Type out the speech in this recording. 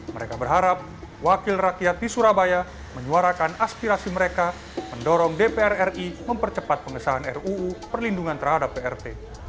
mereka berharap wakil rakyat di surabaya menyuarakan aspirasi mereka mendorong dpr ri mempercepat pengesahan ruu perlindungan terhadap prt